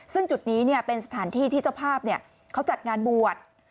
ซึ่งจุดนี้เป็นสถานที่ที่เจ้าภาพเขาจัดงานบวช